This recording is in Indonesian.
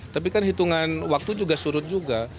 tapi kan hitungan waktu juga surut juga